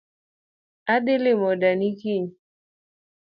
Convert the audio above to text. Adhii limo dani kiny